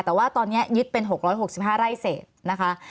แต่ว่าตอนนี้ยึดเป็น๖๖๕ไร่เศษนะคะ